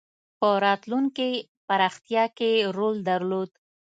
په راتلونکې پراختیا کې رول درلود.